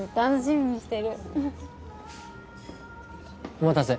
お待たせ。